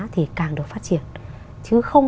thì càng được phát triển chứ không